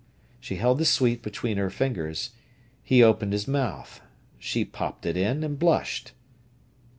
She held the sweet between her fingers. He opened his mouth. She popped it in, and blushed.